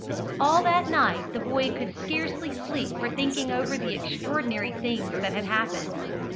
All that night the boy could scarcely sleep for thinking over the extraordinary things that had happened.